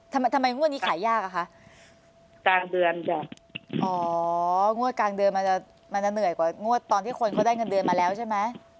ทำไมทำไมงวดนี้ขายยากอะคะกลางเดือนจ้ะอ๋องวดกลางเดือนมันจะมันจะเหนื่อยกว่างวดตอนที่คนเขาได้เงินเดือนมาแล้วใช่ไหม